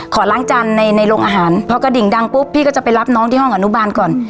ขอล้างจานในในโรงอาหารพอกระดิ่งดังปุ๊บพี่ก็จะไปรับน้องที่ห้องอนุบาลก่อน